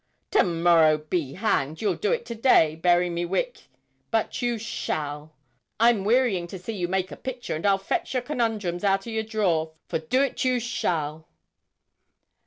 'To morrow be hanged! you'll do it to day, bury me wick, but you shall; I'm wearying to see you make a picture, and I'll fetch your conundrums out o' your drawer, for do 't you shall.'